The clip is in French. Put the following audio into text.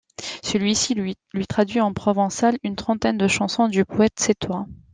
Celui-ci lui traduit en provençal une trentaine de chansons du poète sétois.